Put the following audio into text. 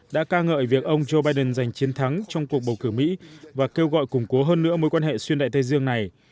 đã ca ngợi việc ông joe biden giành chiến thắng trong cuộc bầu cử mỹ và kêu gọi củng cố hơn nữa mối quan hệ xuyên đại tây dương này